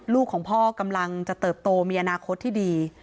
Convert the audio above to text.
ลูกของพ่อกำลังจะเติบโตมีอนาคตที่ดี